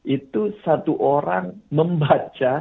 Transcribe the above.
itu satu orang membaca